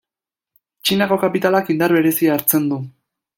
Txinako kapitalak indar berezia hartzen du.